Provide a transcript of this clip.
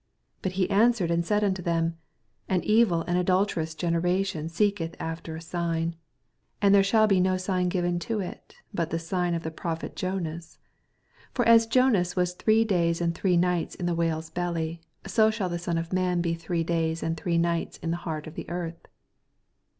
89 Bat he answered and said nnto them, An evil and adolteroos genera tion seeketh after a sign ; ana there shall no sign be given to it, bat the sign of the prophet Jonas : 40 For as Jonas was three days and three nights in the whalers belly : so shall the Bon of man be three davs and three nights in the heart of the earth.